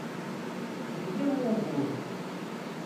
Yella wugur.